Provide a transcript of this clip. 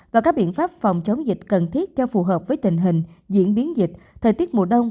và các biện pháp phòng chống dịch cần thiết cho phù hợp với tình hình diễn biến dịch thời tiết mùa đông